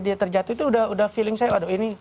dia terjatuh itu udah feeling saya waduh ini